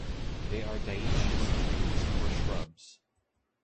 They are dioecious trees or shrubs.